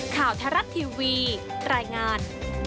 ข่าวทรัศน์ทีวีรายงาน